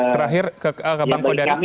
terakhir ke bang kodara